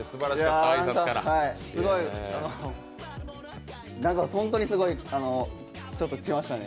すごいなんか本当にすごいちょっときましたね。